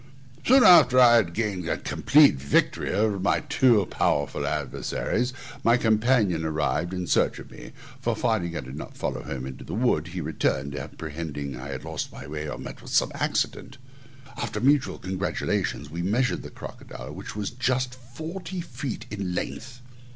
Soon after I had thus gained a complete victory over my two powerful adversaries, my companion arrived in search of me; for finding I did not follow him into the wood, he returned, apprehending I had lost my way, or met with some accident. After mutual congratulations, we measured the crocodile, which was just forty feet in length.